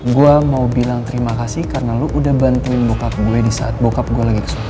gue mau bilang terima kasih karena lo udah bantuin bokap gue di saat bokap gue lagi ke sekolah